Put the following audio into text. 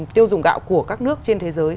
tiêu dùng gạo của các nước trên thế giới